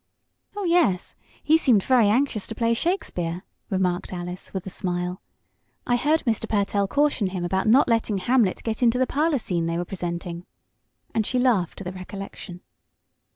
"Oh, yes. He seemed very anxious to play Shakespeare," remarked Alice, with a smile. "I heard Mr. Pertell caution him about not letting Hamlet get into the parlor scene they were presenting," and she laughed at the recollection.